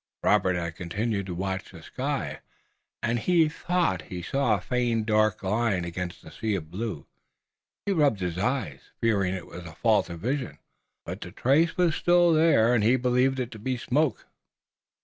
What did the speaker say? Robert had continued to watch the sky and he thought he saw a faint dark line against the sea of blue. He rubbed his eyes, fearing it was a fault of vision, but the trace was still there, and he believed it to be smoke.